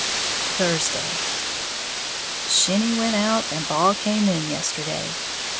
Thursday. Shinny went out and ball came in yesterday.